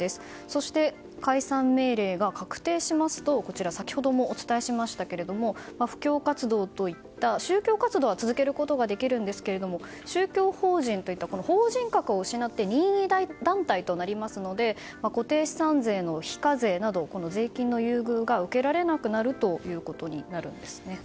そして、解散命令が確定しますと先ほどもお伝えしましたけど布教活動といった宗教活動は続けることはできるんですけども宗教法人といった法人格を失って任意団体となりますので固定資産税の非課税など税金の優遇が受けられなくなるということになるんですね。